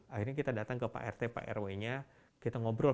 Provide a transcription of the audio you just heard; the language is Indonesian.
akhirnya kita datang ke pak rt pak rw nya kita ngobrol